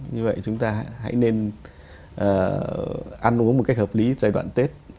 thì chúng ta hãy nên ăn uống một cách hợp lý giai đoạn tết